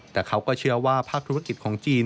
แต่เขาก็เชื่อว่าภาคธุรกิจของจีน